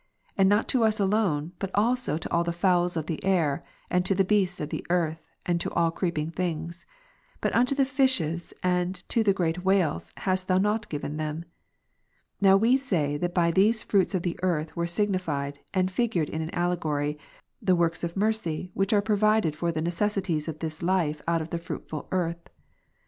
And not to us alone, but also to all the fowls of the air, and to the beasts of the earth, and to all creeping things ; but unto the fishes and to the great ivhales, hast Thou not given them. Now we said that by theae fruits of the earth were signified, and figured in an allegory, the works of mercy which are provided for the necessities of this life out of the fruitful earth.